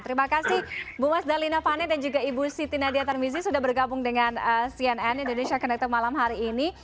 terima kasih bu mas dalina vane dan juga ibu siti nadia tarmizi sudah bergabung dengan cnn indonesia connected malam hari ini